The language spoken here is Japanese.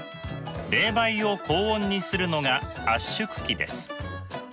冷媒を高温にするのが圧縮機です。